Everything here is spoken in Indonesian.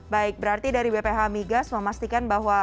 baik berarti dari bph migas memastikan bahwa